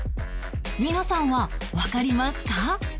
皆さんはわかりますか？